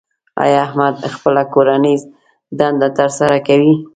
ایا احمد خپله کورنۍ دنده تر سره کوي؟